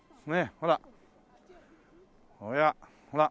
ほらほら。